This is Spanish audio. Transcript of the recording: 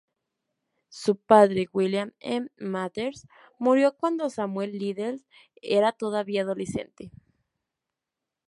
Su padre, William M. Mathers, murió cuando Samuel Liddell era todavía adolescente.